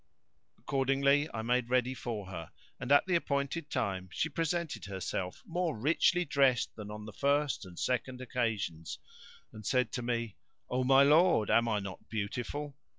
Accordingly, I made ready for her and, at the appointed time, she presented herself more richly dressed than on the first and second occasions, and said to me, "O my lord, am I not beautiful?"